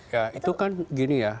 ya itu kan gini ya